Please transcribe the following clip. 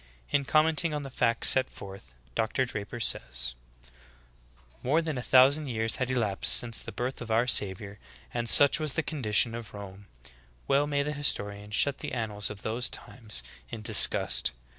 In commenting on the facts set forth. Dr. Draper says : 24. "More than a thousand years had elapsed since the birth of our Savior, and such was the condition of Rome. Well may the historian shut the annals of those times in dis gust.